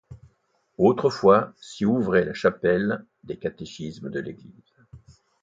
Autrefois s'y ouvrait la chapelle des catéchismes de l'église.